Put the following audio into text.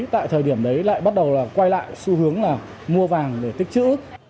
tại thời điểm đấy lại bắt đầu là quay lại xu hướng là mua vàng để tích chữ